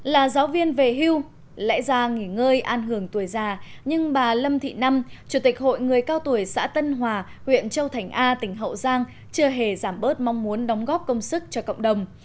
là giáo viên về hưu lẽ ra nghỉ ngơi an hưởng tuổi già nhưng bà lâm thị năm chủ tịch hội người cao tuổi xã tân hòa huyện châu thành a tỉnh hậu giang chưa hề giảm bớt mong muốn đóng góp công sức cho cộng đồng